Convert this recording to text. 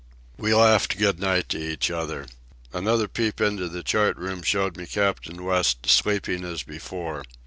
We laughed good night to each other. Another peep into the chart room showed me Captain West sleeping as before.